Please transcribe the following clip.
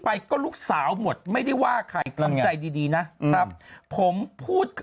ไปก็ลูกสาวหมดไม่ได้ว่าใครทำใจดีดีนะครับผมพูด